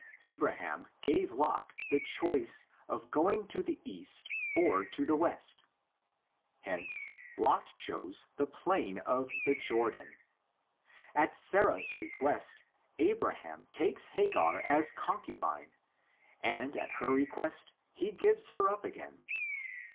Abraham gave Lot the choice of going to the east or to the west; hence Lot chose the plain of the Jordan. At Sarah's request Abraham takes Hagar as concubine and at her request he gives her up again.